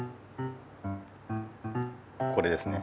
これですね。